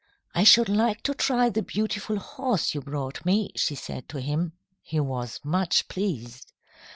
"'I should like to try the beautiful horse you brought me,' she said to him. He was much pleased.